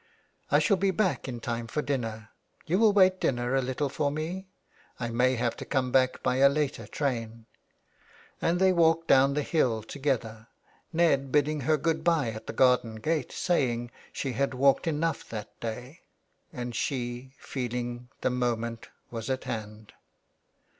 " I shall be back in time for dinner. You will wait dinner a little for me, I may have to come back by a later train.'' And they walked down the hill together, Ned bidding her good bye at the garden gate, saying she had walked enough that day, and she feeling the moment was at hand.